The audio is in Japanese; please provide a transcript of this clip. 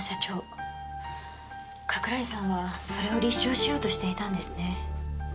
加倉井さんはそれを立証しようとしていたんですね。